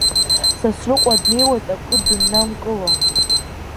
Сасрыҟәа днеиуеит акы дыннамкыло.